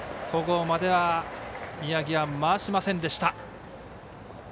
甲までは宮城は回しませんでした。